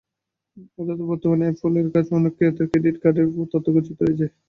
অর্থাত্, বর্তমানে অ্যাপলের কাছে অনেক ক্রেতার ক্রেডিট কার্ডের তথ্য গচ্ছিত রয়েছে।